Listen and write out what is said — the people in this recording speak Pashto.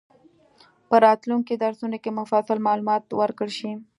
په راتلونکي درسونو کې مفصل معلومات ورکړل شي.